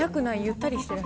ゆったりしてる？